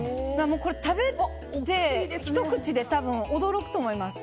食べてひと口で驚くと思います。